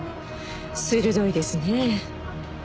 鋭いですねえ。